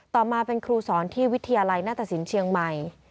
ต่อมาเป็นครูสอนที่วิทยาลัยหน้าตสินเชียงใหม่